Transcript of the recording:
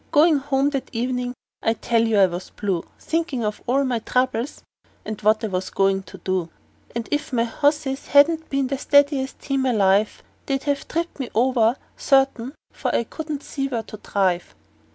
Goin' home that evenin' I tell you I was blue, Thinkin' of all my troubles, and what I was goin' to do; And if my hosses hadn't been the steadiest team alive, They'd 've tipped me over, certain, for I couldn't see where to drive.